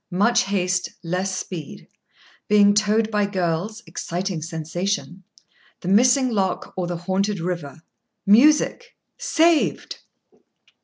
—Much haste, less speed.—Being towed by girls: exciting sensation.—The missing lock or the haunted river.—Music.—Saved!